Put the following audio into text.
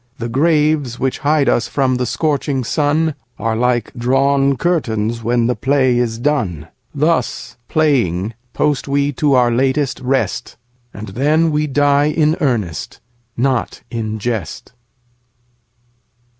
The graves which hide us from the scorching sunAre like drawn curtains when the play is done. Thus playing post we to our latest rest, And then we die in earnest, not in jest.